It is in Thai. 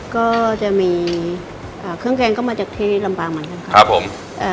ก็จะมีเครื่องแกงก็มาจากที่ลำบางเหมือนกันค่ะ